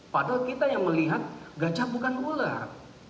padahal kita yang melihat gajah bukan ular